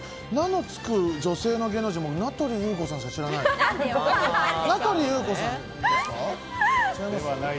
「な」のつく女性の芸能人、名取裕子さんしか知らない。